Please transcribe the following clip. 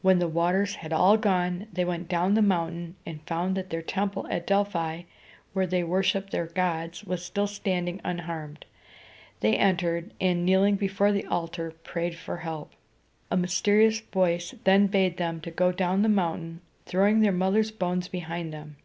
When the waters had all gone, they went down the mountain, and found that the temple at Del´phi, where they worshiped their gods, was still standing unharmed. They entered, and, kneeling before the altar, prayed for help. A mysterious voice then bade them go down the mountain, throwing their mother's bones behind them.